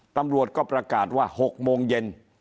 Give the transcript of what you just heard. ตำรวจก็ประกาศว่า๖โมงเย็น